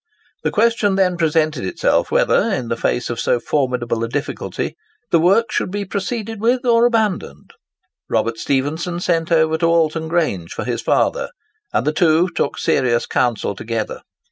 The question then presented itself, whether in the face of so formidable a difficulty, the works should be proceeded with or abandoned. Robert Stephenson sent over to Alton Grange for his father, and the two took serious counsel together.